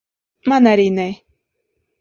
Man arī ne.